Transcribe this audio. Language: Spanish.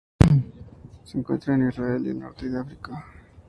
Se encuentra en Israel y el norte de África.